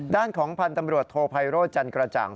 ด้านของพันธ์ตำรวจโทไพโรธจันกระจ่าง